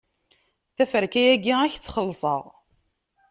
Taferka-agi, ad k-tt-xelṣeɣ.